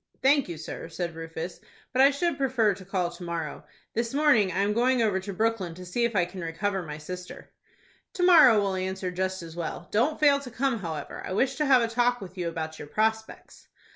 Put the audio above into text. "Thank you, sir," said Rufus; "but I should prefer to call to morrow. This morning, I am going over to Brooklyn to see if I can recover my sister." "To morrow will answer just as well. Don't fail to come, however, I wish to have a talk with you about your prospects."